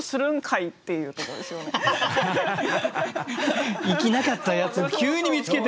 それを行きなかったやつ急に見つけて。